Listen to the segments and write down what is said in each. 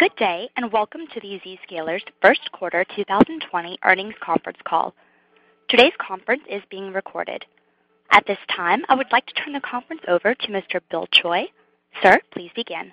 Good day, welcome to the Zscaler's first quarter 2020 earnings conference call. Today's conference is being recorded. At this time, I would like to turn the conference over to Mr. Bill Choi. Sir, please begin.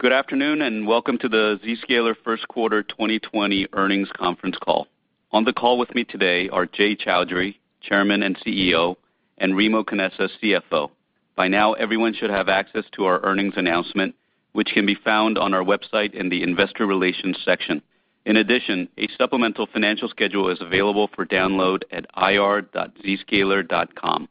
Good afternoon, and welcome to the Zscaler first quarter 2020 earnings conference call. On the call with me today are Jay Chaudhry, Chairman and CEO, and Remo Canessa, CFO. By now, everyone should have access to our earnings announcement, which can be found on our website in the investor relations section. In addition, a supplemental financial schedule is available for download at ir.zscaler.com.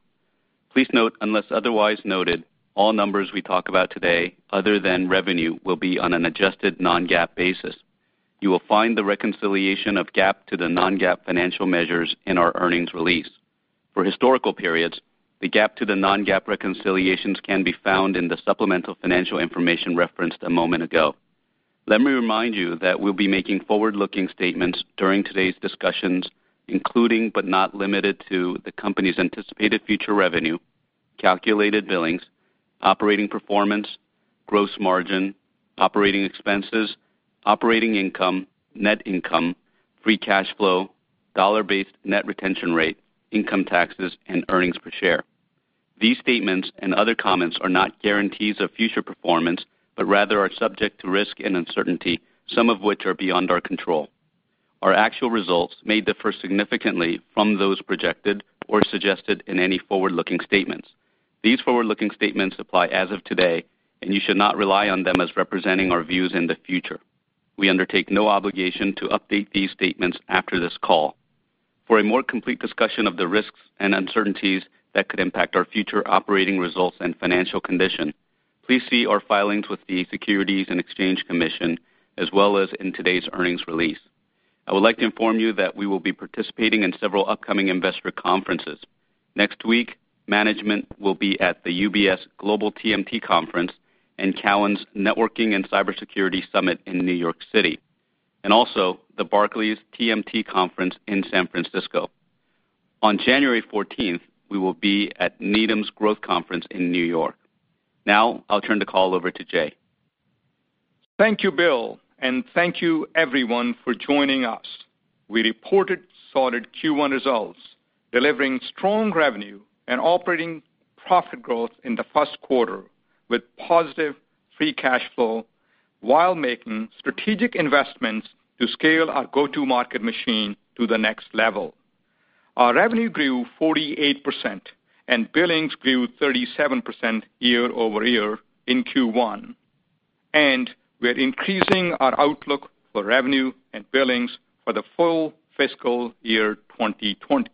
Please note, unless otherwise noted, all numbers we talk about today, other than revenue, will be on an adjusted non-GAAP basis. You will find the reconciliation of GAAP to the non-GAAP financial measures in our earnings release. For historical periods, the GAAP to the non-GAAP reconciliations can be found in the supplemental financial information referenced a moment ago. Let me remind you that we'll be making forward-looking statements during today's discussions, including, but not limited to, the company's anticipated future revenue, calculated billings, operating performance, gross margin, operating expenses, operating income, net income, free cash flow, dollar-based net retention rate, income taxes, and earnings per share. These statements and other comments are not guarantees of future performance, but rather are subject to risk and uncertainty, some of which are beyond our control. Our actual results may differ significantly from those projected or suggested in any forward-looking statements. These forward-looking statements apply as of today, and you should not rely on them as representing our views in the future. We undertake no obligation to update these statements after this call. For a more complete discussion of the risks and uncertainties that could impact our future operating results and financial condition, please see our filings with the Securities and Exchange Commission, as well as in today's earnings release. I would like to inform you that we will be participating in several upcoming investor conferences. Next week, management will be at the UBS Global TMT Conference and Cowen's Networking and Cybersecurity Summit in New York City, and also the Barclays TMT Conference in San Francisco. On January 14th, we will be at Needham's Growth Conference in New York. Now, I'll turn the call over to Jay. Thank you, Bill, and thank you, everyone, for joining us. We reported solid Q1 results, delivering strong revenue and operating profit growth in the first quarter, with positive free cash flow while making strategic investments to scale our go-to-market machine to the next level. Our revenue grew 48%, billings grew 37% year-over-year in Q1. We're increasing our outlook for revenue and billings for the full fiscal year 2020.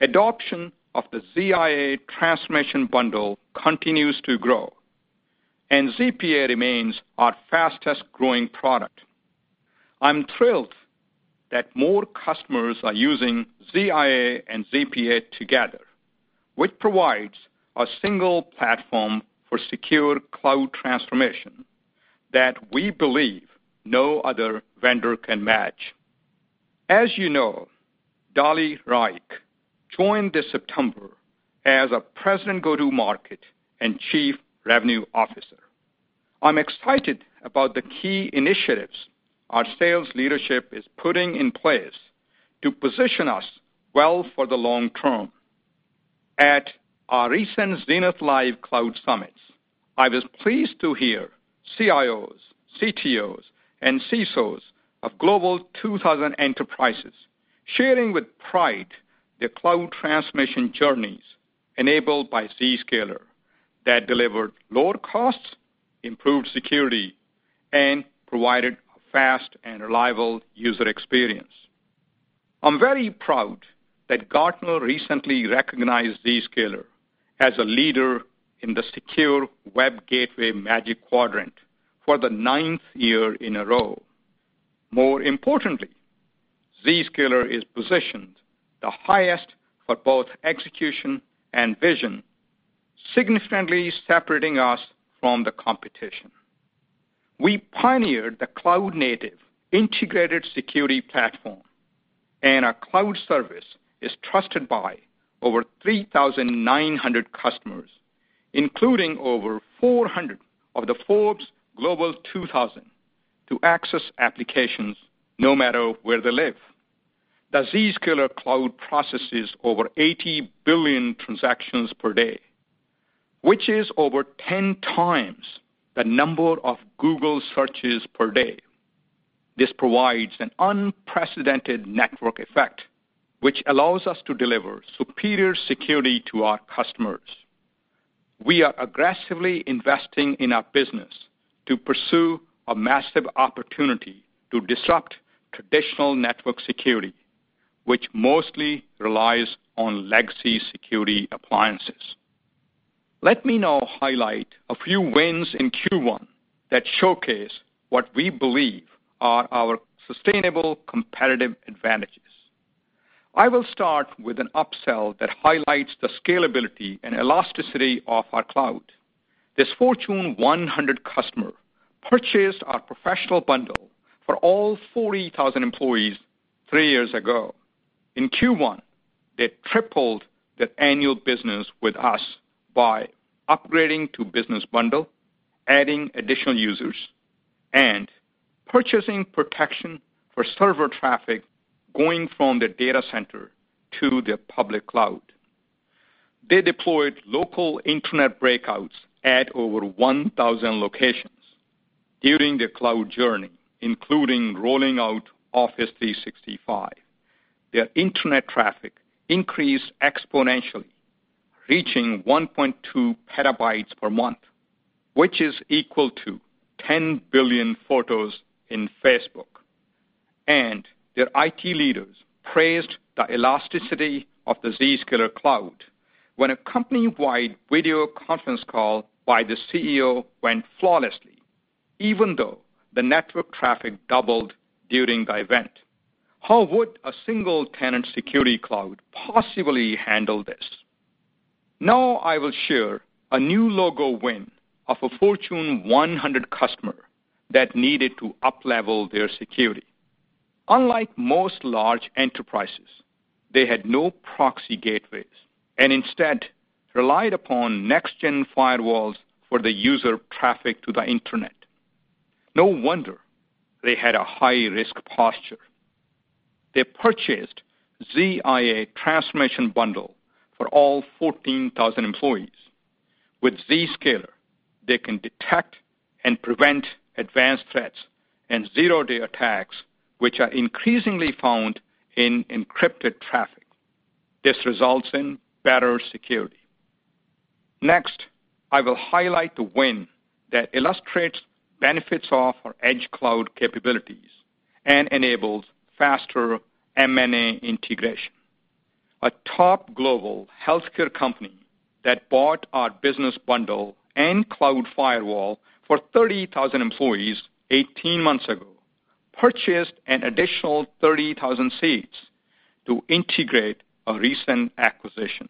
Adoption of the ZIA transformation bundle continues to grow, ZPA remains our fastest-growing product. I'm thrilled that more customers are using ZIA and ZPA together, which provides a single platform for secure cloud transformation that we believe no other vendor can match. As you know, Dali Rajic joined this September as our president, Go-To-Market and chief revenue officer. I'm excited about the key initiatives our sales leadership is putting in place to position us well for the long term. At our recent Zenith Live cloud summit, I was pleased to hear CIOs, CTOs, and CSOs of Global 2000 enterprises sharing with pride their cloud transformation journeys enabled by Zscaler that delivered lower costs, improved security, and provided a fast and reliable user experience. I'm very proud that Gartner recently recognized Zscaler as a leader in the Secure Web Gateway Magic Quadrant for the ninth year in a row. More importantly, Zscaler is positioned the highest for both execution and vision, significantly separating us from the competition. We pioneered the cloud-native integrated security platform, and our cloud service is trusted by over 3,900 customers, including over 400 of the Forbes Global 2000, to access applications no matter where they live. The Zscaler cloud processes over 80 billion transactions per day, which is over 10 times the number of Google searches per day. This provides an unprecedented network effect, which allows us to deliver superior security to our customers. We are aggressively investing in our business to pursue a massive opportunity to disrupt traditional network security, which mostly relies on legacy security appliances. Let me now highlight a few wins in Q1 that showcase what we believe are our sustainable competitive advantages. I will start with an upsell that highlights the scalability and elasticity of our cloud. This Fortune 100 customer purchased our professional bundle for all 40,000 employees three years ago. In Q1, they tripled their annual business with us by upgrading to business bundle, adding additional users, and purchasing protection for server traffic going from the data center to their public cloud. They deployed local internet breakouts at over 1,000 locations during their cloud journey, including rolling out Office 365. Their internet traffic increased exponentially, reaching 1.2 PB per month, which is equal to 10 billion photos in Facebook. Their IT leaders praised the elasticity of the Zscaler cloud when a company-wide video conference call by the CEO went flawlessly, even though the network traffic doubled during the event. How would a single-tenant security cloud possibly handle this? Now I will share a new logo win of a Fortune 100 customer that needed to uplevel their security. Unlike most large enterprises, they had no proxy gateways, and instead relied upon next-gen firewalls for the user traffic to the internet. No wonder they had a high-risk posture. They purchased ZIA Transformation Bundle for all 14,000 employees. With Zscaler, they can detect and prevent advanced threats and zero-day attacks, which are increasingly found in encrypted traffic. This results in better security. Next, I will highlight the win that illustrates benefits of our Edge Cloud capabilities and enables faster M&A integration. A top global healthcare company that bought our business bundle and Cloud Firewall for 30,000 employees 18 months ago purchased an additional 30,000 seats to integrate a recent acquisition.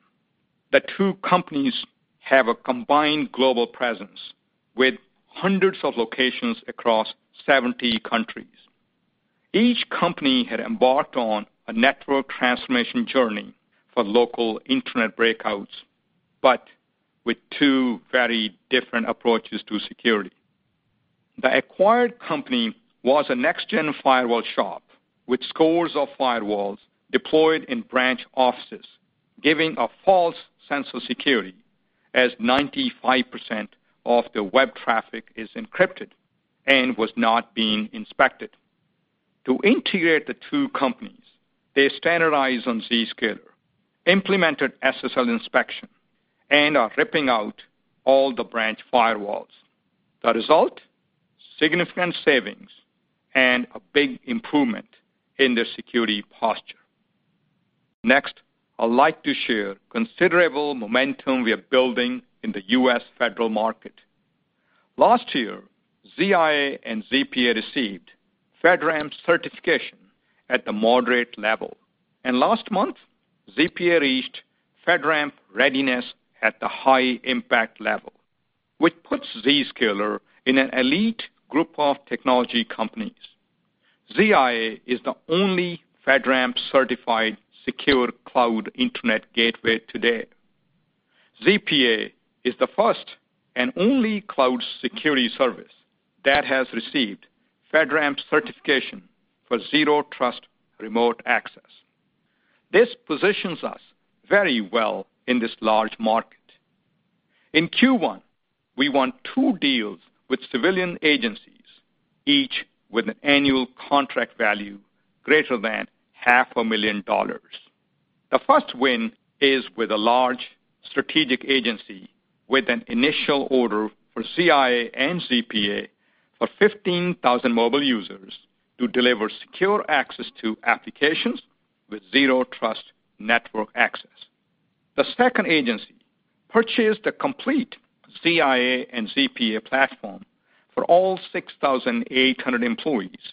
The two companies have a combined global presence with hundreds of locations across 70 countries. Each company had embarked on a network transformation journey for local internet breakouts, but with two very different approaches to security. The acquired company was a next-gen firewall shop with scores of firewalls deployed in branch offices, giving a false sense of security, as 95% of their web traffic is encrypted and was not being inspected. To integrate the two companies, they standardized on Zscaler, implemented SSL inspection, and are ripping out all the branch firewalls. The result, significant savings and a big improvement in their security posture. Next, I'd like to share considerable momentum we are building in the U.S. federal market. Last year, ZIA and ZPA received FedRAMP certification at the moderate level. Last month, ZPA reached FedRAMP readiness at the high-impact level, which puts Zscaler in an elite group of technology companies. ZIA is the only FedRAMP certified secure cloud internet gateway today. ZPA is the first and only cloud security service that has received FedRAMP certification for Zero Trust remote access. This positions us very well in this large market. In Q1, we won two deals with civilian agencies, each with an annual contract value greater than half a million dollars. The first win is with a large strategic agency with an initial order for ZIA and ZPA for 15,000 mobile users to deliver secure access to applications with Zero Trust Network Access. The second agency purchased a complete ZIA and ZPA platform for all 6,800 employees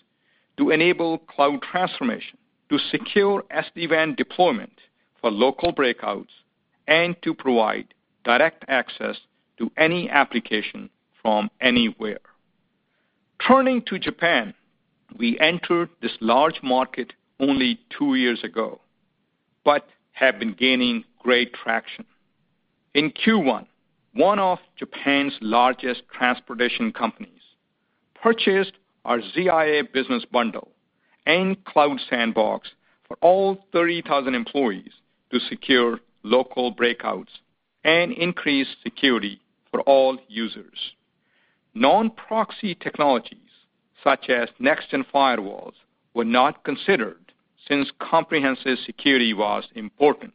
to enable cloud transformation, to secure SD-WAN deployment for local breakouts, and to provide direct access to any application from anywhere. Turning to Japan, we entered this large market only two years ago. Have been gaining great traction. In Q1, one of Japan's largest transportation companies purchased our ZIA business bundle and Cloud Sandbox for all 30,000 employees to secure local breakouts and increase security for all users. Non-proxy technologies, such as next-gen firewalls, were not considered since comprehensive security was important.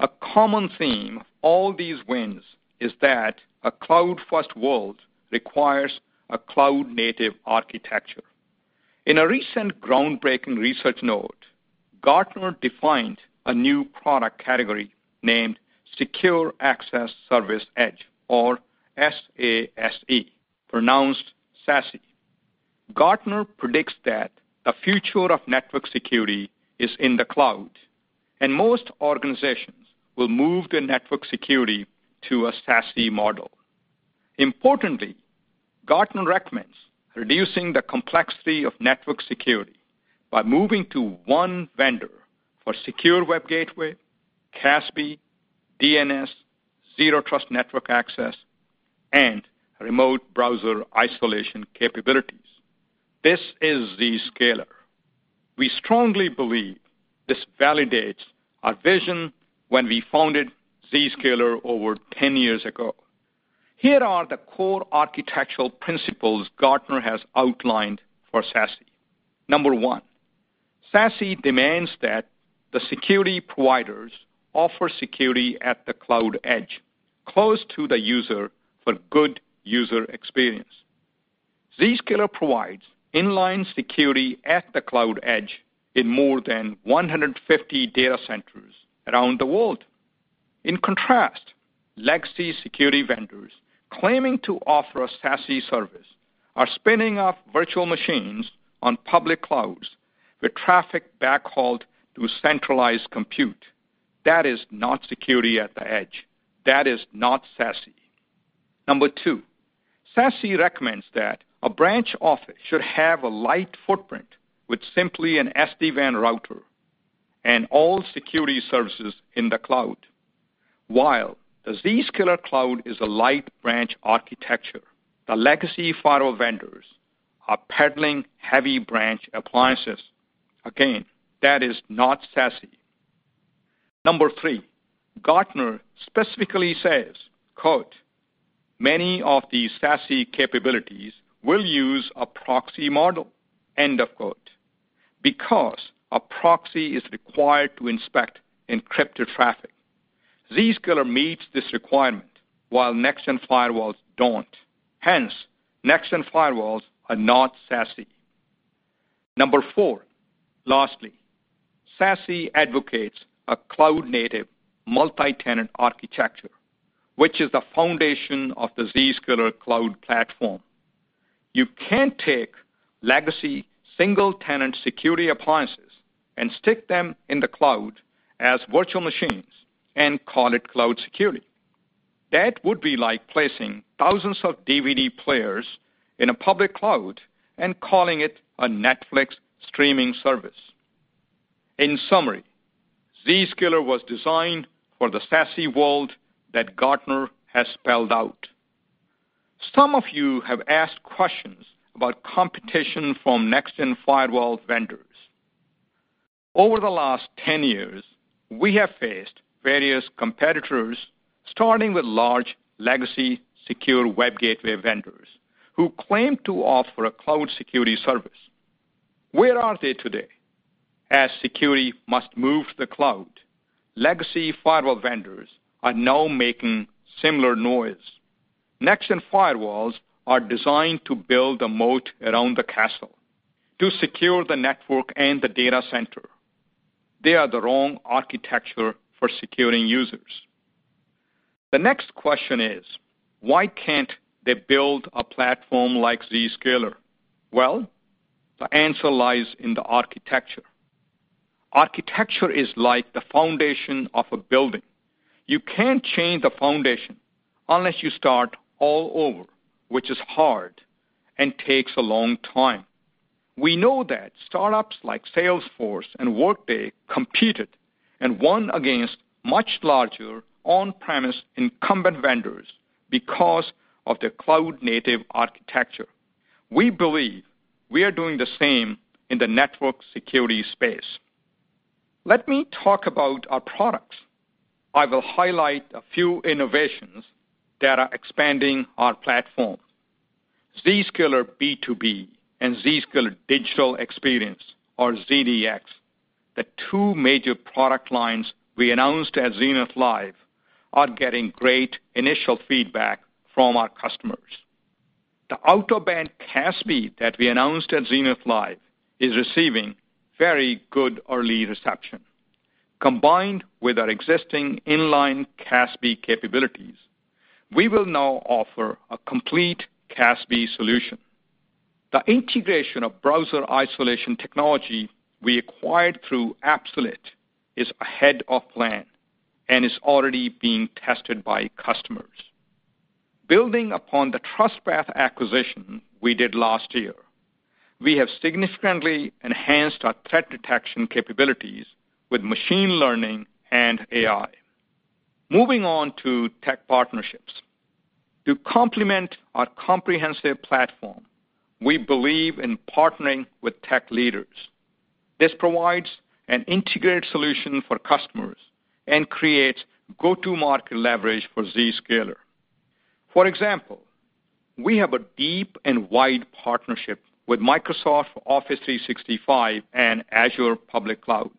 A common theme of all these wins is that a cloud-first world requires a cloud-native architecture. In a recent groundbreaking research note, Gartner defined a new product category named Secure Access Service Edge, or SASE, pronounced "sassy." Gartner predicts that the future of network security is in the cloud, and most organizations will move their network security to a SASE model. Importantly, Gartner recommends reducing the complexity of network security by moving to one vendor for secure web gateway, CASB, DNS, Zero Trust Network Access, and remote browser isolation capabilities. This is Zscaler. We strongly believe this validates our vision when we founded Zscaler over 10 years ago. Here are the core architectural principles Gartner has outlined for SASE. Number one, SASE demands that the security providers offer security at the cloud edge, close to the user for good user experience. Zscaler provides inline security at the cloud edge in more than 150 data centers around the world. In contrast, legacy security vendors claiming to offer a SASE service are spinning up virtual machines on public clouds with traffic backhauled through centralized compute. That is not security at the edge. That is not SASE. Number two, SASE recommends that a branch office should have a light footprint with simply an SD-WAN router and all security services in the cloud. While the Zscaler cloud is a light branch architecture, the legacy firewall vendors are peddling heavy branch appliances. Again, that is not SASE. Number three, Gartner specifically says, quote, "Many of these SASE capabilities will use a proxy model," end of quote. Because a proxy is required to inspect encrypted traffic. Zscaler meets this requirement, while next-gen firewalls don't. Hence, next-gen firewalls are not SASE. Number four, lastly, SASE advocates a cloud-native multi-tenant architecture, which is the foundation of the Zscaler cloud platform. You can't take legacy single-tenant security appliances and stick them in the cloud as virtual machines and call it cloud security. That would be like placing thousands of DVD players in a public cloud and calling it a Netflix streaming service. In summary, Zscaler was designed for the SASE world that Gartner has spelled out. Some of you have asked questions about competition from next-gen firewall vendors. Over the last 10 years, we have faced various competitors, starting with large legacy secure web gateway vendors, who claim to offer a cloud security service. Where are they today? As security must move to the cloud, legacy firewall vendors are now making similar noise. Next-gen firewalls are designed to build a moat around the castle to secure the network and the data center. They are the wrong architecture for securing users. The next question is: Why can't they build a platform like Zscaler? The answer lies in the architecture. Architecture is like the foundation of a building. You can't change the foundation unless you start all over, which is hard and takes a long time. We know that startups like Salesforce and Workday competed and won against much larger on-premise incumbent vendors because of their cloud-native architecture. We believe we are doing the same in the network security space. Let me talk about our products. I will highlight a few innovations that are expanding our platform. Zscaler B2B and Zscaler Digital Experience, or ZDX, the two major product lines we announced at Zenith Live, are getting great initial feedback from our customers. The out-of-band CASB that we announced at Zenith Live is receiving very good early reception. Combined with our existing inline CASB capabilities, we will now offer a complete CASB solution. The integration of browser isolation technology we acquired through Appsulate is ahead of plan and is already being tested by customers. Building upon the TrustPath acquisition we did last year, we have significantly enhanced our threat detection capabilities with machine learning and AI. Moving on to tech partnerships. To complement our comprehensive platform, we believe in partnering with tech leaders. This provides an integrated solution for customers and creates go-to-market leverage for Zscaler. For example, we have a deep and wide partnership with Microsoft Office 365 and Azure public cloud.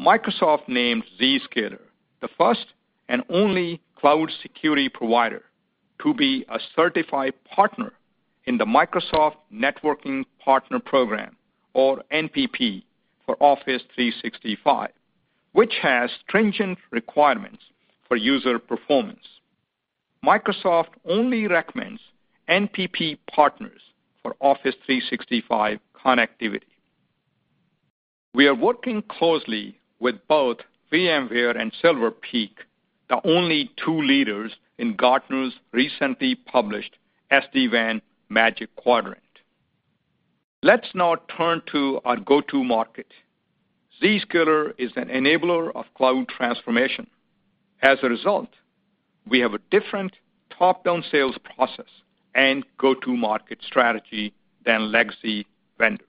Microsoft named Zscaler the first and only cloud security provider to be a certified partner in the Microsoft 365 Networking Partner Program, or NPP, for Office 365, which has stringent requirements for user performance. Microsoft only recommends NPP partners for Office 365 connectivity. We are working closely with both VMware and Silver Peak, the only two leaders in Gartner's recently published WAN Edge Infrastructure Magic Quadrant. Let's now turn to our go-to-market. Zscaler is an enabler of cloud transformation. As a result, we have a different top-down sales process and go-to-market strategy than legacy vendors.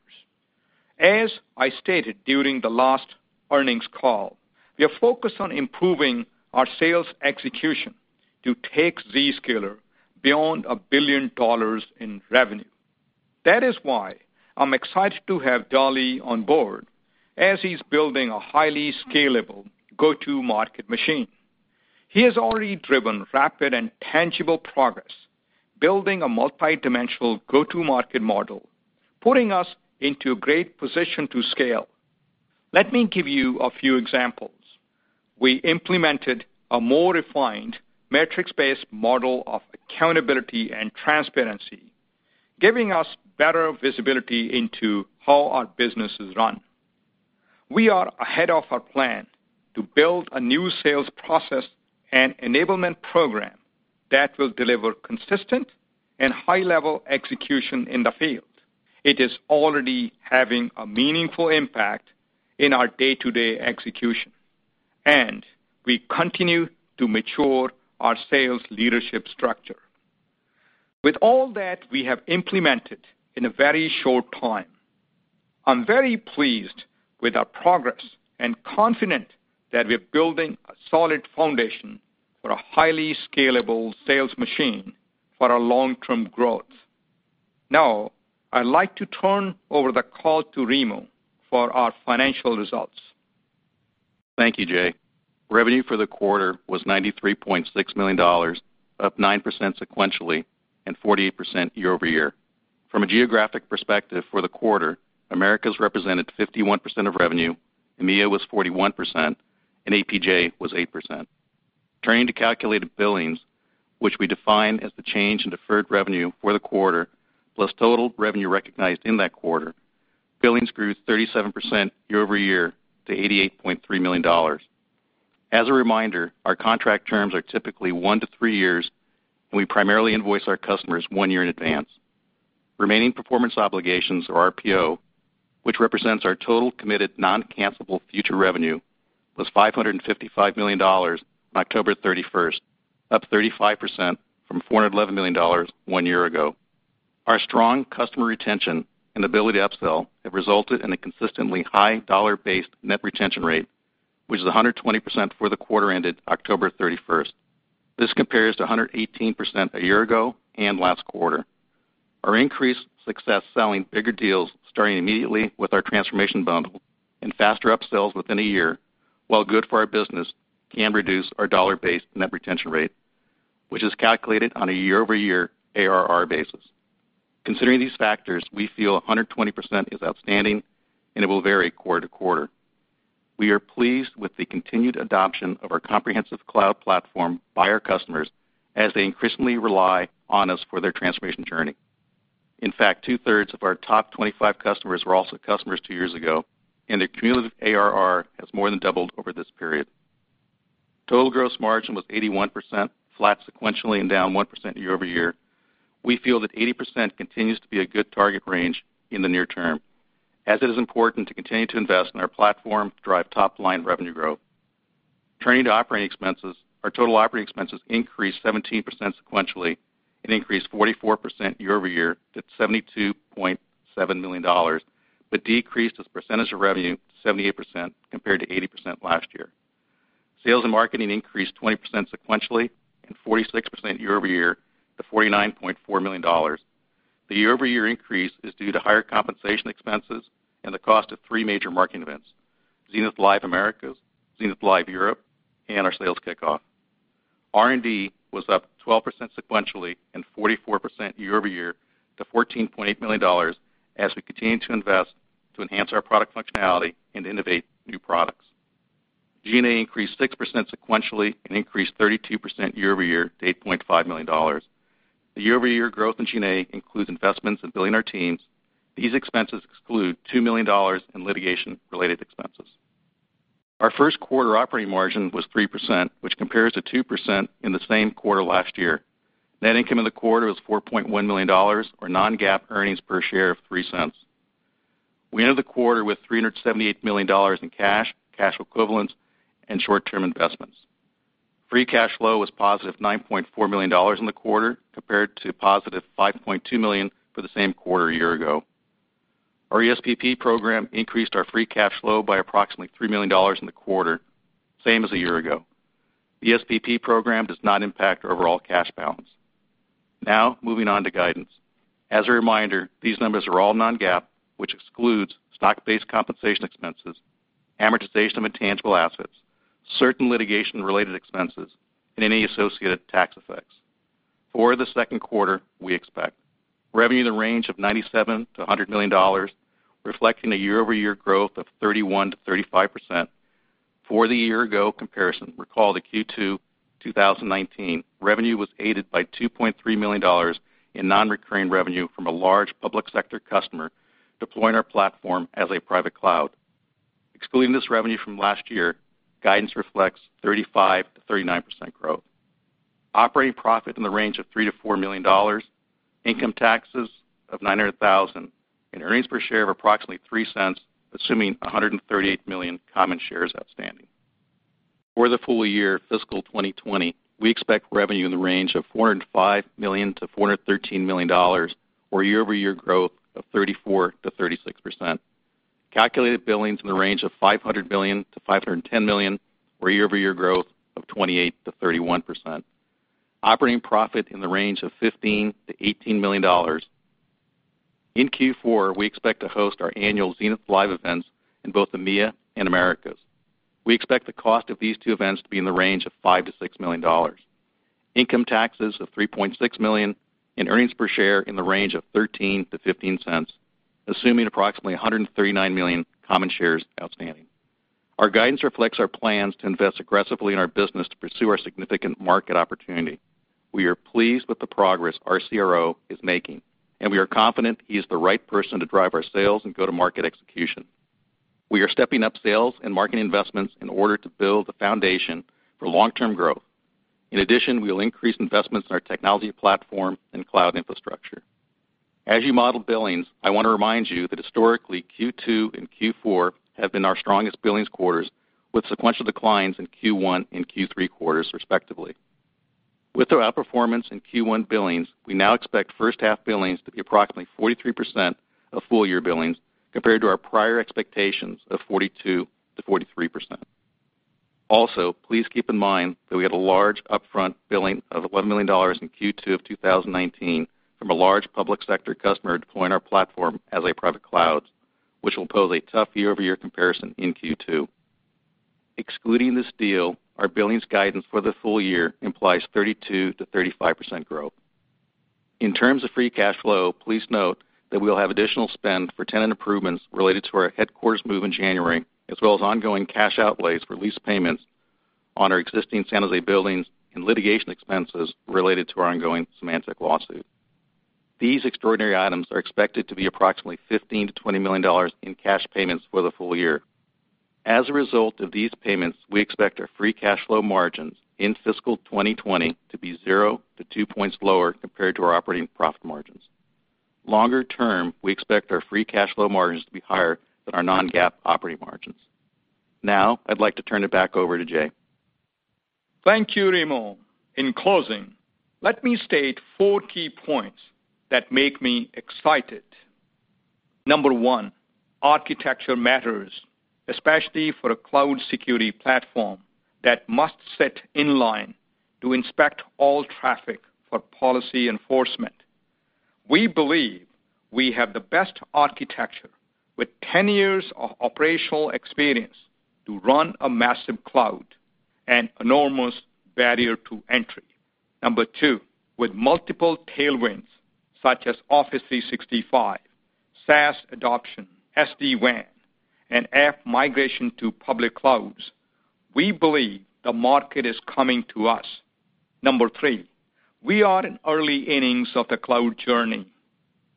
As I stated during the last earnings call, we are focused on improving our sales execution to take Zscaler beyond $1 billion in revenue. That is why I'm excited to have Dali on board, as he's building a highly scalable go-to-market machine. He has already driven rapid and tangible progress, building a multi-dimensional go-to-market model, putting us into a great position to scale. Let me give you a few examples. We implemented a more refined metrics-based model of accountability and transparency, giving us better visibility into how our business is run. We are ahead of our plan to build a new sales process and enablement program that will deliver consistent and high-level execution in the field. It is already having a meaningful impact in our day-to-day execution, and we continue to mature our sales leadership structure. With all that we have implemented in a very short time, I'm very pleased with our progress and confident that we're building a solid foundation for a highly scalable sales machine for our long-term growth. I'd like to turn over the call to Remo for our financial results. Thank you, Jay. Revenue for the quarter was $93.6 million, up 9% sequentially and 48% year-over-year. From a geographic perspective for the quarter, Americas represented 51% of revenue, EMEA was 41%, and APJ was 8%. Turning to calculated billings, which we define as the change in deferred revenue for the quarter, plus total revenue recognized in that quarter. Billings grew 37% year-over-year to $88.3 million. As a reminder, our contract terms are typically one to three years, and we primarily invoice our customers one year in advance. Remaining performance obligations, or RPO, which represents our total committed non-cancelable future revenue, was $555 million on October 31st, up 35% from $411 million one year ago. Our strong customer retention and ability to upsell have resulted in a consistently high dollar-based net retention rate, which is 120% for the quarter ended October 31st. This compares to 118% a year ago and last quarter. Our increased success selling bigger deals, starting immediately with our transformation bundle and faster upsells within a year, while good for our business, can reduce our dollar-based net retention rate, which is calculated on a year-over-year ARR basis. Considering these factors, we feel 120% is outstanding, and it will vary quarter to quarter. We are pleased with the continued adoption of our comprehensive cloud platform by our customers as they increasingly rely on us for their transformation journey. In fact, two-thirds of our top 25 customers were also customers two years ago, and their cumulative ARR has more than doubled over this period. Total gross margin was 81%, flat sequentially and down 1% year-over-year. We feel that 80% continues to be a good target range in the near term, as it is important to continue to invest in our platform to drive top-line revenue growth. Turning to operating expenses. Our total operating expenses increased 17% sequentially and increased 44% year-over-year to $72.7 million, decreased as a percentage of revenue to 78% compared to 80% last year. Sales and marketing increased 20% sequentially and 46% year-over-year to $49.4 million. The year-over-year increase is due to higher compensation expenses and the cost of three major marketing events, Zenith Live Americas, Zenith Live Europe, and our sales kickoff. R&D was up 12% sequentially and 44% year-over-year to $14.8 million as we continue to invest to enhance our product functionality and innovate new products. G&A increased 6% sequentially and increased 32% year-over-year to $8.5 million. The year-over-year growth in G&A includes investments in building our teams. These expenses exclude $2 million in litigation-related expenses. Our first quarter operating margin was 3%, which compares to 2% in the same quarter last year. Net income in the quarter was $4.1 million or non-GAAP earnings per share of $0.03. We ended the quarter with $378 million in cash equivalents, and short-term investments. Free cash flow was positive $9.4 million in the quarter, compared to positive $5.2 million for the same quarter a year ago. Our ESPP program increased our free cash flow by approximately $3 million in the quarter, same as a year ago. The ESPP program does not impact our overall cash balance. Now, moving on to guidance. As a reminder, these numbers are all non-GAAP, which excludes stock-based compensation expenses, amortization of intangible assets, certain litigation-related expenses, and any associated tax effects. For the second quarter, we expect revenue in the range of $97 million-$100 million, reflecting a year-over-year growth of 31%-35%. For the year ago comparison, recall that Q2 2019 revenue was aided by $2.3 million in non-recurring revenue from a large public sector customer deploying our platform as a private cloud. Excluding this revenue from last year, guidance reflects 35%-39% growth. Operating profit in the range of $3 million-$4 million, income taxes of $900,000, and earnings per share of approximately $0.03, assuming 138 million common shares outstanding. For the full year fiscal 2020, we expect revenue in the range of $405 million-$413 million, or year-over-year growth of 34%-36%. Calculated billings in the range of $500 million-$510 million, or year-over-year growth of 28%-31%. Operating profit in the range of $15 million-$18 million. In Q4, we expect to host our annual Zenith Live events in both EMEA and Americas. We expect the cost of these two events to be in the range of $5 million-$6 million. Income taxes of $3.6 million and earnings per share in the range of $0.13-$0.15, assuming approximately 139 million common shares outstanding. Our guidance reflects our plans to invest aggressively in our business to pursue our significant market opportunity. We are pleased with the progress our CRO is making, and we are confident he is the right person to drive our sales and go-to-market execution. We are stepping up sales and marketing investments in order to build the foundation for long-term growth. In addition, we will increase investments in our technology platform and cloud infrastructure. As you model billings, I want to remind you that historically, Q2 and Q4 have been our strongest billings quarters, with sequential declines in Q1 and Q3 quarters respectively. With our outperformance in Q1 billings, we now expect first-half billings to be approximately 43% of full-year billings, compared to our prior expectations of 42%-43%. Please keep in mind that we had a large upfront billing of $11 million in Q2 of 2019 from a large public sector customer deploying our platform as a private cloud, which will pose a tough year-over-year comparison in Q2. Excluding this deal, our billings guidance for the full-year implies 32%-35% growth. In terms of free cash flow, please note that we'll have additional spend for tenant improvements related to our headquarters move in January, as well as ongoing cash outlays for lease payments on our existing San Jose buildings and litigation expenses related to our ongoing Symantec lawsuit. These extraordinary items are expected to be approximately $15 million-$20 million in cash payments for the full year. As a result of these payments, we expect our free cash flow margins in fiscal 2020 to be 0-2 points lower compared to our operating profit margins. Longer term, we expect our free cash flow margins to be higher than our non-GAAP operating margins. I'd like to turn it back over to Jay. Thank you, Remo. In closing, let me state four key points that make me excited. Number one, architecture matters, especially for a cloud security platform that must sit in line to inspect all traffic for policy enforcement. We believe we have the best architecture with 10 years of operational experience to run a massive cloud and enormous barrier to entry. Number two, with multiple tailwinds, such as Office 365, SaaS adoption, SD-WAN, and app migration to public clouds, we believe the market is coming to us. Number three, we are in early innings of the cloud journey.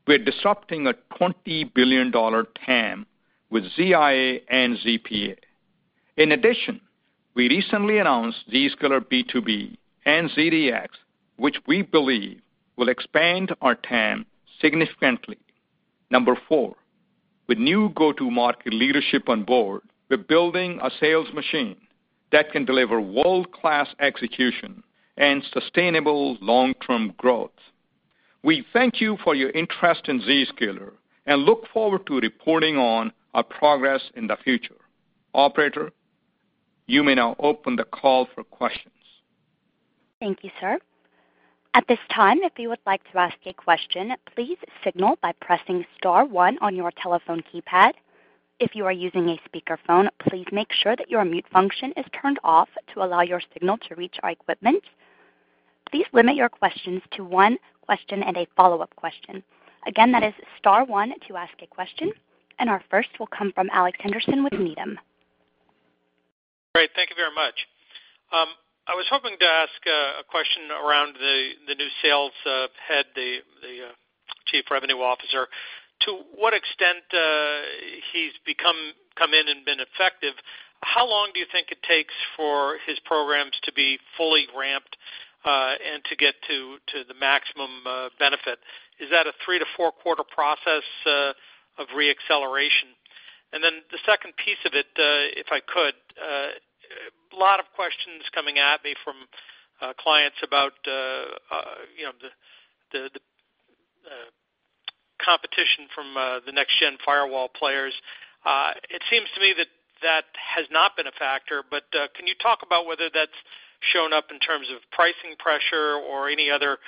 We're disrupting a $20 billion TAM with ZIA and ZPA. In addition, we recently announced Zscaler B2B and ZDX, which we believe will expand our TAM significantly. Number four, with new go-to-market leadership on board, we're building a sales machine that can deliver world-class execution and sustainable long-term growth. We thank you for your interest in Zscaler and look forward to reporting on our progress in the future. Operator, you may now open the call for questions. Thank you, sir. At this time, if you would like to ask a question, please signal by pressing star one on your telephone keypad. If you are using a speakerphone, please make sure that your mute function is turned off to allow your signal to reach our equipment. Please limit your questions to one question and a follow-up question. Again, that is star one to ask a question. Our first will come from Alex Henderson with Needham. Great. Thank you very much. I was hoping to ask a question around the new sales head, the Chief Revenue Officer, to what extent he's come in and been effective. How long do you think it takes for his programs to be fully ramped and to get to the maximum benefit? Is that a three to four-quarter process of re-acceleration? The second piece of it, if I could, a lot of questions coming at me from clients about the competition from the next-gen firewall players. It seems to me that that has not been a factor, but can you talk about whether that's shown up in terms of pricing pressure or any other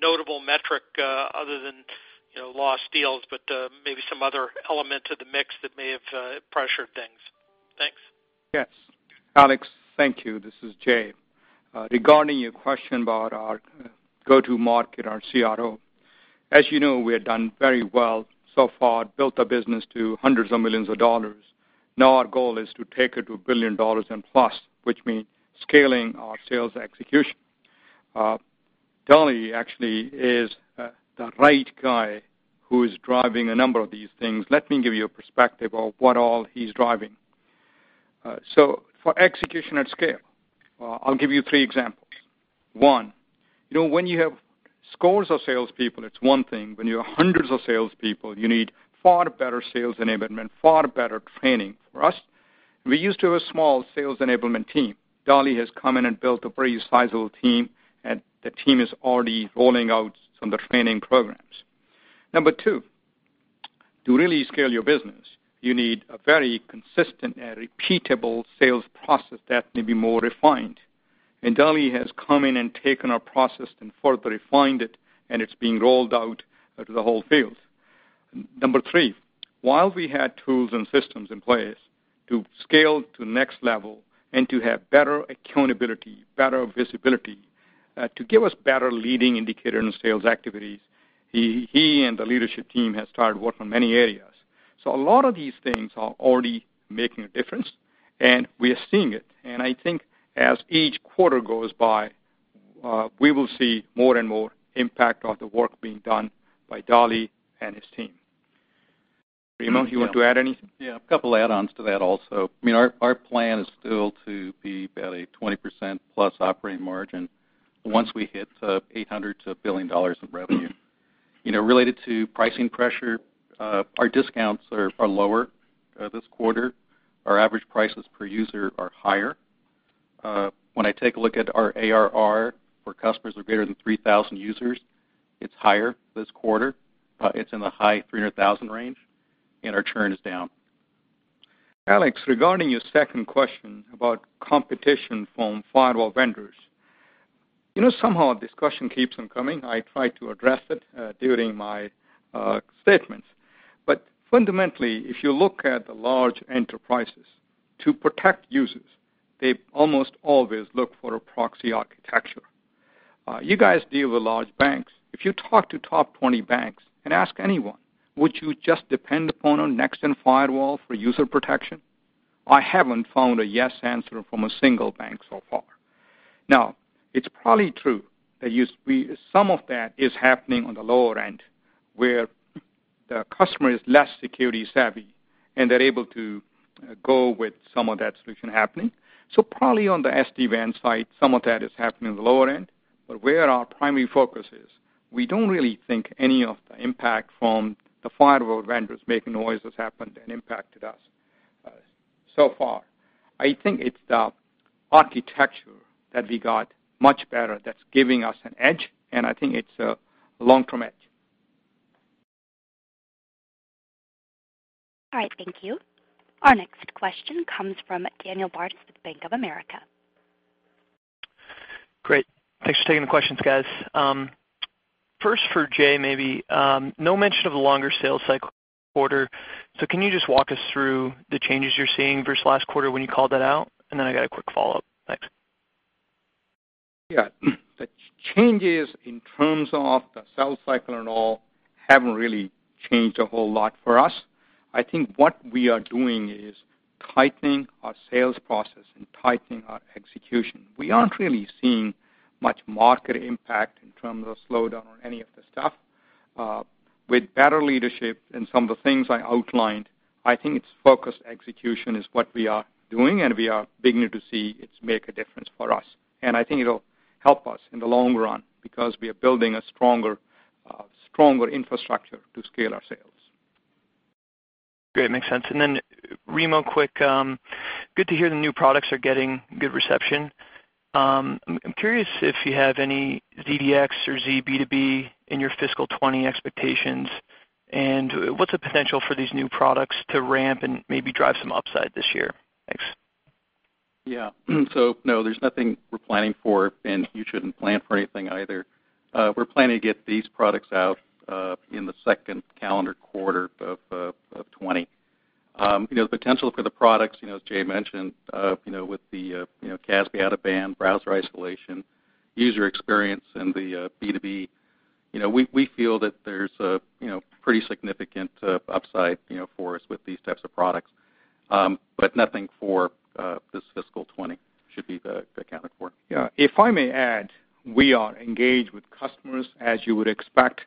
notable metric other than lost deals, but maybe some other element of the mix that may have pressured things? Thanks. Alex, thank you. This is Jay. Regarding your question about our go-to-market, our CRO. As you know, we have done very well so far, built a business to hundreds of millions of dollars. Our goal is to take it to $1+ billion, which means scaling our sales execution. Dali actually is the right guy who is driving a number of these things. Let me give you a perspective of what all he's driving. For execution at scale, I'll give you three examples. One, when you have scores of salespeople, it's one thing. When you have hundreds of salespeople, you need far better sales enablement, far better training. For us, we used to have a small sales enablement team. Dali has come in and built a very sizable team, and the team is already rolling out some of the training programs. Number two, to really scale your business, you need a very consistent and repeatable sales process that can be more refined. Dali has come in and taken our process and further refined it, and it's being rolled out to the whole field. Number three, while we had tools and systems in place to scale to next level and to have better accountability, better visibility, to give us better leading indicator in sales activities, he and the leadership team has started work on many areas. A lot of these things are already making a difference, and we are seeing it. I think as each quarter goes by, we will see more and more impact of the work being done by Dali and his team. Remo, you want to add anything? Yeah, a couple add-ons to that also. I mean, our plan is still to be at a 20%+ operating margin once we hit $800 million to $1 billion in revenue. Related to pricing pressure, our discounts are lower this quarter. Our average prices per user are higher. When I take a look at our ARR for customers who are greater than 3,000 users, it's higher this quarter. It's in the high 300,000 range, and our churn is down. Alex, regarding your second question about competition from firewall vendors. Somehow, this question keeps on coming. I tried to address it during my statements. Fundamentally, if you look at the large enterprises, to protect users, they almost always look for a proxy architecture. You guys deal with large banks. If you talk to top 20 banks and ask anyone, "Would you just depend upon our next-gen firewall for user protection?" I haven't found a yes answer from a single bank so far. Now, it's probably true that some of that is happening on the lower end, where the customer is less security-savvy, and they're able to go with some of that solution happening. Probably on the SD-WAN side, some of that is happening in the lower end. Where our primary focus is, we don't really think any of the impact from the firewall vendors making noise has happened and impacted us so far. I think it's the architecture that we got much better that's giving us an edge, and I think it's a long-term edge. All right, thank you. Our next question comes from Daniel Bartus with Bank of America. Great. Thanks for taking the questions, guys. First for Jay, maybe. No mention of the longer sales cycle quarter. Can you just walk us through the changes you're seeing versus last quarter when you called that out? I got a quick follow-up. Thanks. Yeah. The changes in terms of the sales cycle and all haven't really changed a whole lot for us. I think what we are doing is tightening our sales process and tightening our execution. We aren't really seeing much market impact in terms of slowdown on any of the stuff. With better leadership and some of the things I outlined, I think it's focused execution is what we are doing, and we are beginning to see it make a difference for us. I think it'll help us in the long run because we are building a stronger infrastructure to scale our sales. Great, makes sense. Remo, quick, good to hear the new products are getting good reception. I'm curious if you have any ZDX or Z B2B in your fiscal 2020 expectations, what's the potential for these new products to ramp and maybe drive some upside this year? Thanks. No, there's nothing we're planning for, and you shouldn't plan for anything either. We're planning to get these products out in the second calendar quarter of 2020. The potential for the products, as Jay mentioned, with the CASB out-of-band browser isolation, user experience, and the B2B, we feel that there's a pretty significant upside for us with these types of products. Nothing for this fiscal 2020 should be accounted for. Yeah, if I may add, we are engaged with customers, as you would expect,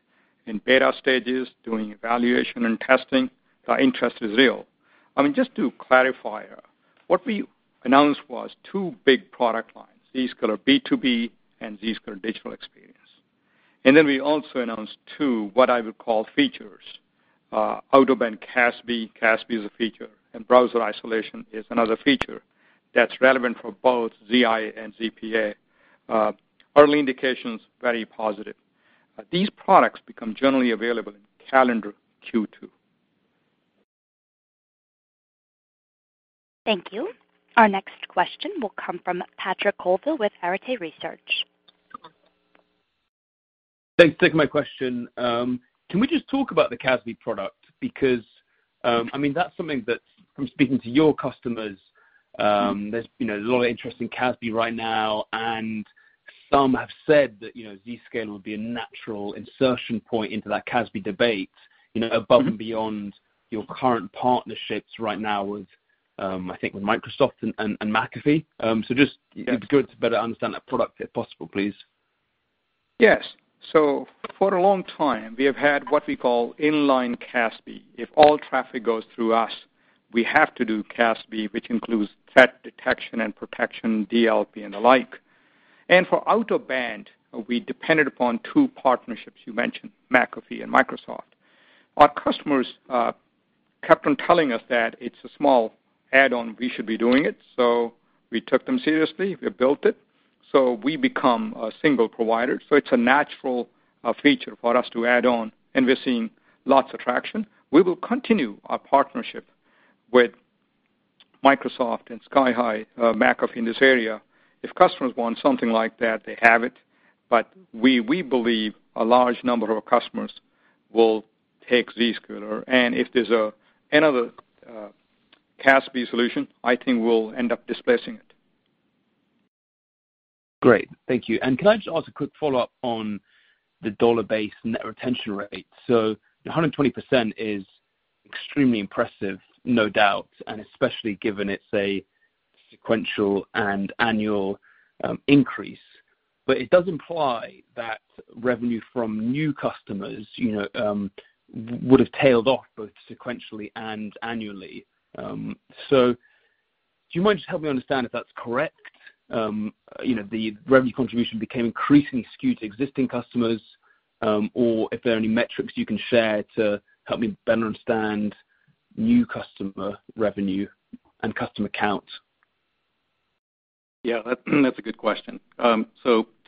in beta stages, doing evaluation and testing. The interest is real. I mean, just to clarify, what we announced was two big product lines, Zscaler B2B and Zscaler Digital Experience. Then we also announced two, what I would call, features, out-of-band CASB. CASB is a feature, and browser isolation is another feature that's relevant for both ZIA and ZPA. Early indications are very positive. These products become generally available in calendar Q2. Thank you. Our next question will come from Patrick Colville with Arete Research. Thanks for taking my question. Can we just talk about the CASB product? That's something that, from speaking to your customers, there's a lot of interest in CASB right now, and some have said that Zscaler would be a natural insertion point into that CASB debate, above and beyond your current partnerships right now with, I think with Microsoft and McAfee. Yes. It'd be good to better understand that product, if possible, please. Yes. For a long time, we have had what we call inline CASB. If all traffic goes through us, we have to do CASB, which includes threat detection and protection, DLP and the like. For out-of-band, we depended upon two partnerships you mentioned, McAfee and Microsoft. Our customers kept on telling us that it's a small add-on, we should be doing it. We took them seriously. We built it. We become a single provider. It's a natural feature for us to add on, and we're seeing lots of traction. We will continue our partnership with Microsoft and Skyhigh, McAfee in this area. If customers want something like that, they have it. We believe a large number of our customers will take Zscaler, and if there's another CASB solution, I think we'll end up displacing it. Great. Thank you. Can I just ask a quick follow-up on the dollar-based net retention rate? 120% is extremely impressive, no doubt, and especially given it's a sequential and annual increase. It does imply that revenue from new customers would have tailed off both sequentially and annually. Do you mind just helping me understand if that's correct? The revenue contribution became increasingly skewed to existing customers, or if there are any metrics you can share to help me better understand new customer revenue and customer counts. Yeah, that's a good question.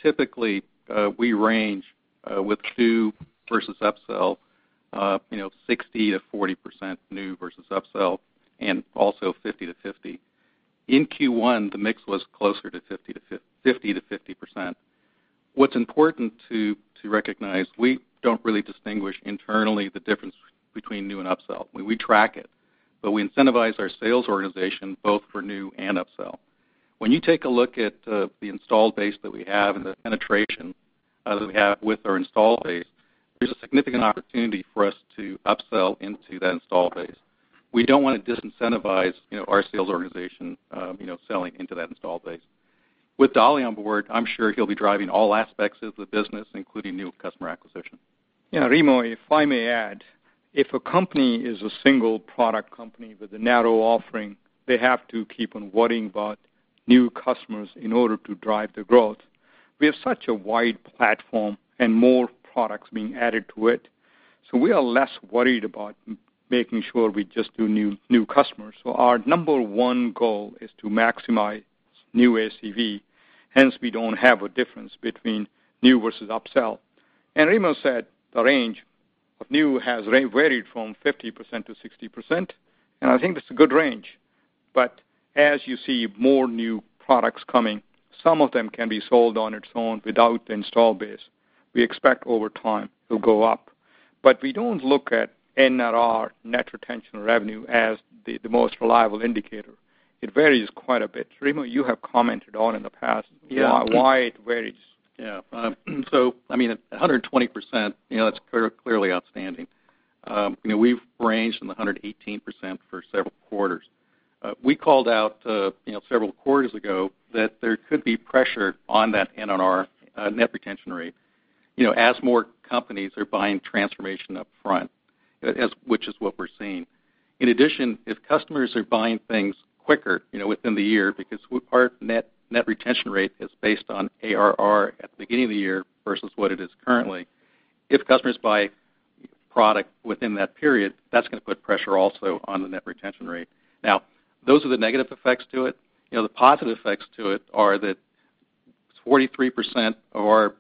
Typically, we range with new versus upsell, 60%-40% new versus upsell, and also 50%-50%. In Q1, the mix was closer to 50%-50%. What's important to recognize, we don't really distinguish internally the difference between new and upsell. We track it, but we incentivize our sales organization both for new and upsell. When you take a look at the installed base that we have and the penetration that we have with our install base, there's a significant opportunity for us to upsell into that install base. We don't want to disincentivize our sales organization selling into that installed base. With Dali on board, I'm sure he'll be driving all aspects of the business, including new customer acquisition. Remo, if I may add, if a company is a single product company with a narrow offering, they have to keep on worrying about new customers in order to drive the growth. We have such a wide platform and more products being added to it, so we are less worried about making sure we just do new customers. Our number one goal is to maximize new ACV, hence we don't have a difference between new versus upsell. Remo said the range of new has varied from 50%-60%, and I think that's a good range. As you see more new products coming, some of them can be sold on its own without the install base. We expect over time it'll go up. We don't look at NRR, net retention revenue, as the most reliable indicator. It varies quite a bit. Remo, you have commented on in the past. Yeah. Why it varies. 120%, that's clearly outstanding. We've ranged in the 118% for several quarters. We called out several quarters ago that there could be pressure on that NRR, net retention rate, as more companies are buying transformation upfront, which is what we're seeing. In addition, if customers are buying things quicker, within the year, because part of net retention rate is based on ARR at the beginning of the year versus what it is currently. If customers buy product within that period, that's going to put pressure also on the net retention rate. Those are the negative effects to it. The positive effects to it are that 43% of our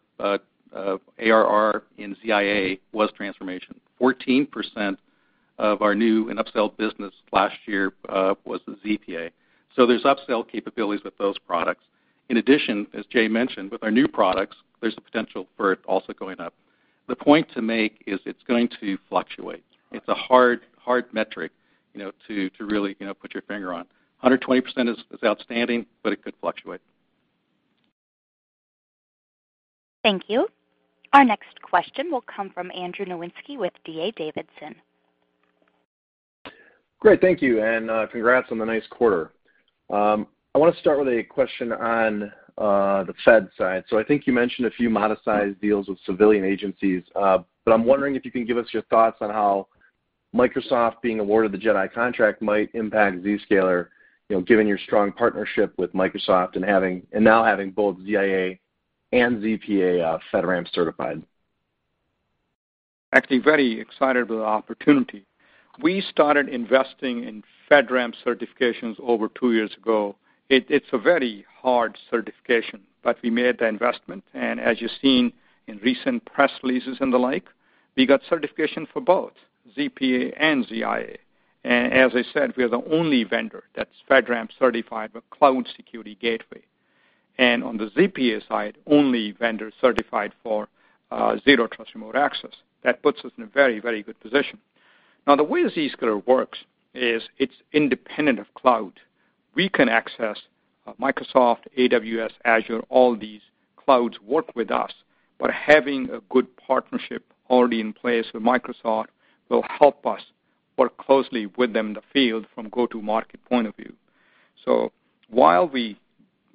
ARR in ZIA was transformation. 14% of our new and upsell business last year was the ZPA. There's upsell capabilities with those products. In addition, as Jay mentioned, with our new products, there's a potential for it also going up. The point to make is it's going to fluctuate. It's a hard metric to really put your finger on. 120% is outstanding. It could fluctuate. Thank you. Our next question will come from Andrew Nowinski with DA Davidson. Great. Thank you, and congrats on the nice quarter. I want to start with a question on the Fed side. I think you mentioned a few monetized deals with civilian agencies. I'm wondering if you can give us your thoughts on how Microsoft being awarded the JEDI contract might impact Zscaler, given your strong partnership with Microsoft and now having both ZIA and ZPA FedRAMP certified. Actually, very excited with the opportunity. We started investing in FedRAMP certifications over two years ago. It's a very hard certification, but we made the investment, and as you've seen in recent press releases and the like, we got certification for both ZPA and ZIA. As I said, we are the only vendor that's FedRAMP certified with cloud security gateway. On the ZPA side, only vendor certified for zero trust remote access. That puts us in a very good position. Now, the way Zscaler works is it's independent of cloud. We can access Microsoft, AWS, Azure, all these clouds work with us, but having a good partnership already in place with Microsoft will help us work closely with them in the field from go-to-market point of view. While we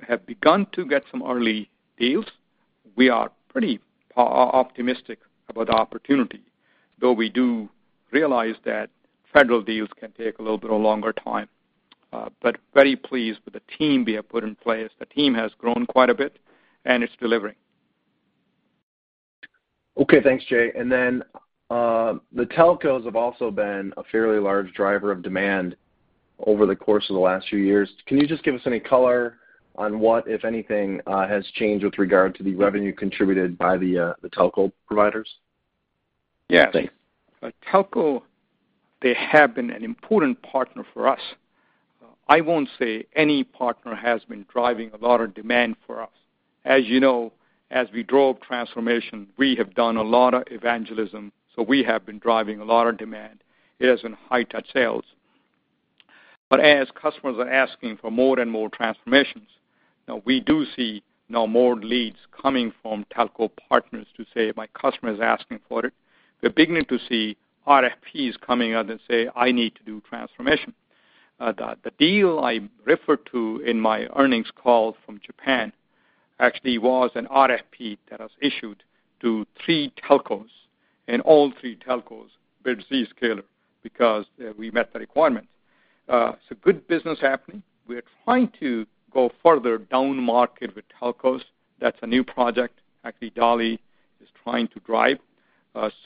have begun to get some early deals, we are pretty optimistic about the opportunity, though we do realize that Federal deals can take a little bit of a longer time. Very pleased with the team we have put in place. The team has grown quite a bit, and it's delivering. Okay, thanks, Jay. The telcos have also been a fairly large driver of demand over the course of the last few years. Can you just give us any color on what, if anything, has changed with regard to the revenue contributed by the telco providers? Yes. Thanks. Telco, they have been an important partner for us. I won't say any partner has been driving a lot of demand for us. As you know, as we drove transformation, we have done a lot of evangelism. We have been driving a lot of demand. It is in high-touch sales. As customers are asking for more and more transformations, now we do see now more leads coming from telco partners to say, "My customer is asking for it." We're beginning to see RFPs coming out and say, "I need to do transformation." The deal I referred to in my earnings call from Japan actually was an RFP that was issued to three telcos. All three telcos built Zscaler because we met the requirements. Good business happening. We're trying to go further down market with telcos. That's a new project actually Dali is trying to drive.